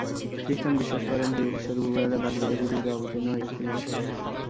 খ্রীষ্টান বিশ্বাস করেন যে, ঈশ্বর ঘুঘুর আকার ধারণ করিয়া পৃথিবীতে অবতীর্ণ হইয়াছিলেন।